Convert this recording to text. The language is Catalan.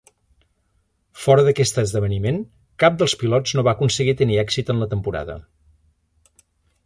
Fora d'aquest esdeveniment, cap dels pilots no va aconseguir tenir èxit en la temporada.